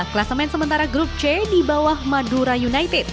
kelasemen sementara grup c di bawah madura united